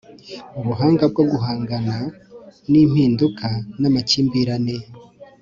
ubuhanga bwo guhangana n'impinduka n'amakimbirane